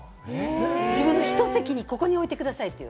自分の１席に、ここに置いてくださいっていう。